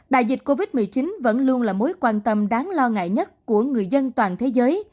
đại dịch covid một mươi chín vẫn luôn là mối quan tâm đáng lo ngại nhất của người dân toàn thế giới